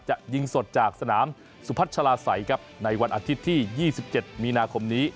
จะยิงสดจากสนามสุพัชลาศัยครับในวันอาทิตย์ที่๒๗มีนาคมนี้